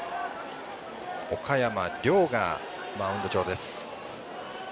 岡山稜がマウンド上です。